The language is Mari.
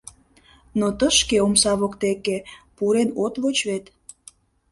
Но тышке, омса воктеке, пурен от воч вет.